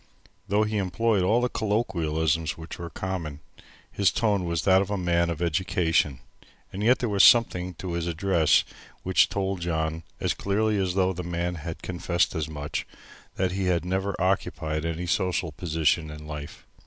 Though he employed all the colloquialisms which were common, his tone was that of a man of education, and yet there was something in his address which told John as clearly as though the man had confessed as much, that he had never occupied any social position in life.